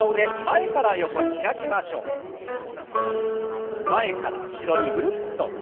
前から後ろにぐるっと回して。